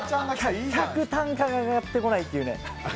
客単価が上がってこないっていうね。